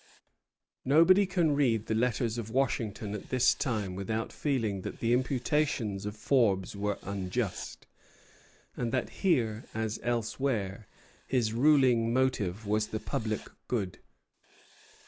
Nobody can read the letters of Washington at this time without feeling that the imputations of Forbes were unjust, and that here, as elsewhere, his ruling motive was the public good.